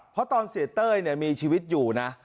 เพราะตอนเสียเต้ยมีชีวิตอยู่นะ